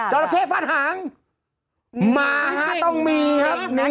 จอดับเทพฟาดหางมาฮะต้องมีครับนี่